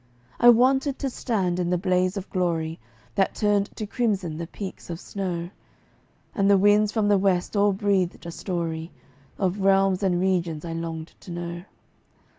I wanted to stand in the blaze of glory That turned to crimson the peaks of snow, And the winds from the west all breathed a story Of realms and regions I longed to know.